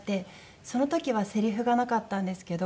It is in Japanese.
その時はせりふがなかったんですけど